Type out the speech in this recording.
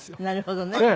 なるほどね。